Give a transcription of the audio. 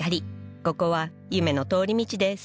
ここは夢の通り道です